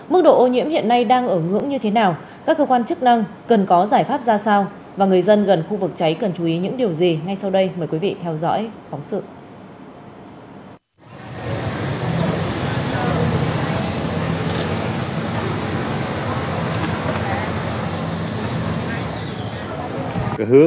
mức độ ô nhiễm hiện nay đang ở ngưỡng như thế nào các cơ quan chức năng cần có giải pháp ra sao và người dân gần khu vực cháy cần chú ý những điều gì ngay sau đây mời quý vị theo dõi phóng sự